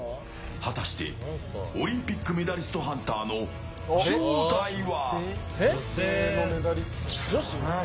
果たしてオリンピックメダリストハンターの正体は？